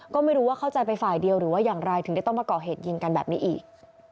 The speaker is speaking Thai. ก็ไม่รู้ว่าเข้าใจไปฝ่ายเดียวหรือว่าอย่างไรถึงได้ต้องมาก่อเหตุยิงกันแบบนี้อีก